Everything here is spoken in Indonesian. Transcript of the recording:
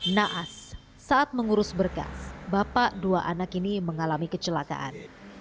naas saat mengurus berkas bapak dua anak ini mengalami kecelakaan